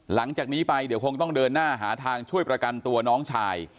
หลังจากนี้ไปเดี๋ยวคงต้องเดินหน้าหาทางช่วยประกันตัวน้องชาย